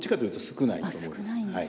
少ないんですか。